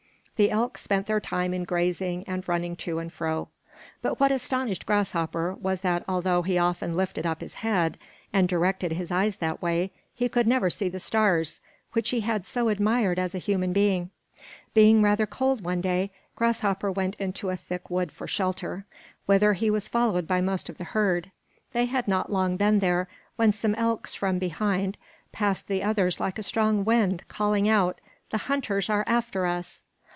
The elk spent their time in grazing and running to and fro; but what astonished Grasshopper was that although he often lifted up his head and directed his eyes that way, he could never see the stars, which he had so admired as a human being. Being rather cold one day, Grasshopper went into a thick wood for shelter, whither he was followed by most of the herd. They had not been long there when some elks from behind passed the others like a strong wind, calling out: "The hunters are after us!"